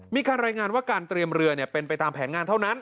มีการรายงานว่าการเตรียมเรือเป็นไปตามแผนงานเท่านั้น